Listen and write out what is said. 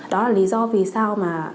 đó là lý do vì sao mà